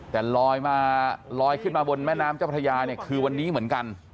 แต่ลอยมาลอยขึ้นมาบนแม่น้ำเจ้าพระยาเนี่ยคือวันนี้เหมือนกัน